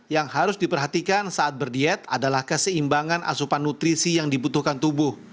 yang harus diperhatikan saat berdiet adalah keseimbangan asupan nutrisi yang dibutuhkan tubuh